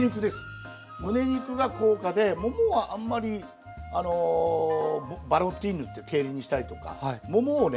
むね肉が高価でももはあんまりバロティーヌっていうにしたりとかももをね